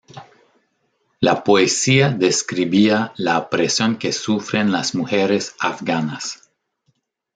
La poesía describía la opresión que sufren las mujeres afganas.